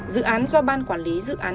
dự án do ban quản lý dự án đầu tư xây dựng